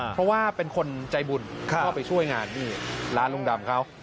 เพราะว่าเป็นคนใจบุญเข้าไปช่วยงานนี่ร้านลุงดำเขา